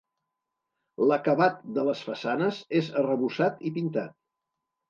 L'acabat de les façanes és arrebossat i pintat.